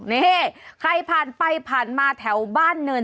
นี่ใครผ่านไปผ่านมาแถวบ้านเนิน